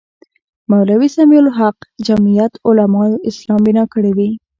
مولوي سمیع الحق جمیعت علمای اسلام بنا کړې وې.